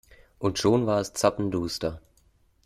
Und schon war es zappenduster.